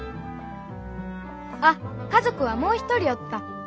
あっ家族はもう一人おった。